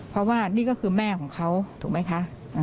เพราะว่านี่ก็คือแม่ของเขาถูกไหมคะ